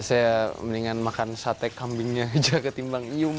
saya mendingan makan sate kambingnya aja ketimbang iung